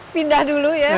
pindah dulu ya